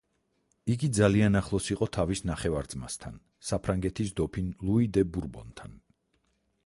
იგი ძალიან ახლოს იყო თავის ნახევარ-ძმასთან, საფრანგეთის დოფინ ლუი დე ბურბონთან.